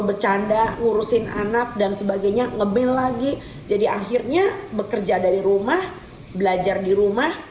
bercanda ngurusin anak dan sebagainya ngemil lagi jadi akhirnya bekerja dari rumah belajar di rumah